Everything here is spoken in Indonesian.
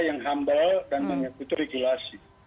yang humble dan mengikuti regulasi